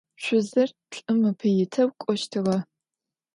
Şüzır lh'ım ıpe yiteu k'oştığe.